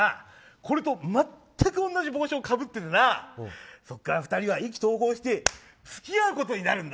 これと全く同じ帽子をかぶっててなそこから２人は意気投合して付き合うことになるんだ。